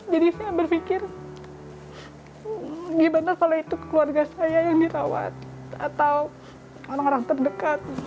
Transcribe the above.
saya berpikir gimana kalau itu keluarga saya yang dirawat atau orang orang terdekat